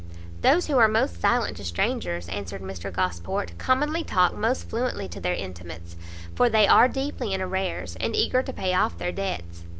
"Those who are most silent to strangers," answered Mr Gosport, "commonly talk most fluently to their intimates, for they are deeply in arrears, and eager to pay off their debts.